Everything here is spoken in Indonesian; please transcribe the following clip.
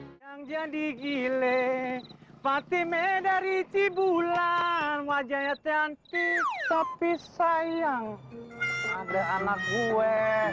hai yang jadi gile fatime dari cibulan wajahnya cantik tapi sayang ada anak gue